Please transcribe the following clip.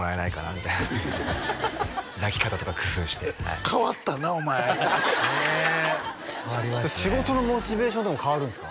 みたいな抱き方とか工夫して変わったなお前仕事のモチベーションとかも変わるんですか？